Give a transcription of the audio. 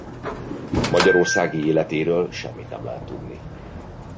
Magyarországi életéről semmit nem lehet tudni.